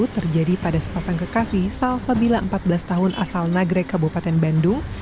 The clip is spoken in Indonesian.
terjadi pada sepasang kekasih salsabila empat belas tahun asal nagrek kabupaten bandung